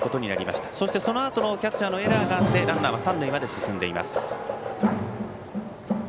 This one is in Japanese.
そしてそのあとキャッチャーのエラーがあってランナーは三塁に進んでいます。